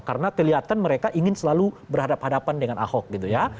karena kelihatan mereka ingin selalu berhadapan dengan ahok gitu ya